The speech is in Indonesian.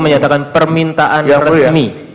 menyatakan permintaan resmi